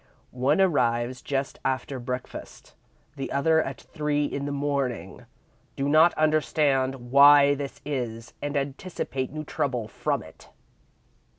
One arrives just after breakfast, the other at three in the morning. Do not understand why this is, and anticipate new trouble from it."